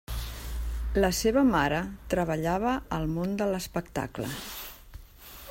La seva mare treballava al món de l'espectacle.